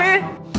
seru banget gue